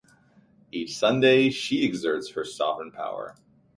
Each Sunday, she exerts her sovereign power.